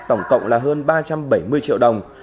tổng cộng là hơn ba trăm bảy mươi triệu đồng